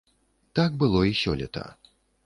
Так было і сёлета.